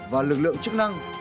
và lực lượng chức năng